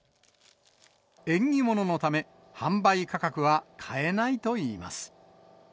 縁起物のため、販売価格は変えないといいます。